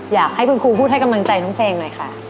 อยากให้คุณครูพูดให้กำลังใจน้องเพลงหน่อยค่ะ